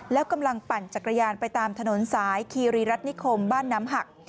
แล้วกำลังปั่นจักรยานไปตามถนนสายคีรีรัฐนิคมบ้านน้ำหัก